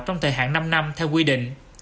trong thời hạn năm năm theo quy định